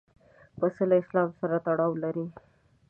پسه له اسلام سره تړاو لري.